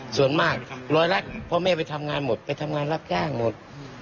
ส่วนมากร้อยละพ่อแม่ไปทำงานหมดไปทำงานรับจ้างหมด